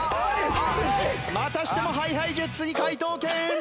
またしてもＨｉＨｉＪｅｔｓに解答権。